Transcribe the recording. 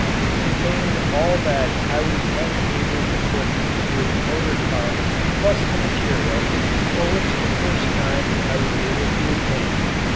It contained all that I was then able to put into a motor car plus the material, which for the first time I was able to obtain.